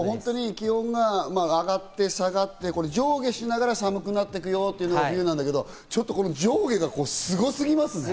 気温が上がって、下がって、上下しながら寒くなっていくよというのが冬なんだけど、上下がすごすぎますね。